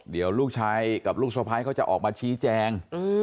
เดี๋ยวลูกชายกับลูกสะพ้ายเขาจะออกมาชี้แจง